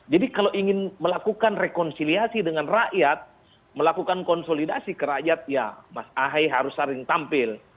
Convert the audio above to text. jadi kalau ingin melakukan rekonsiliasi dengan rakyat melakukan konsolidasi ke rakyat ya mas ahy harus sering tampil